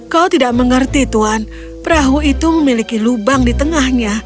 kau tidak mengerti tuan perahu itu memiliki lubang di tengahnya